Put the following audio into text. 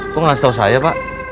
kok ngasih tau saya pak